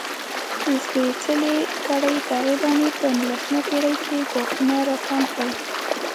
د سپېڅلې کړۍ دغې بڼې په نولسمه پېړۍ کې ګواښونه راکم کړل.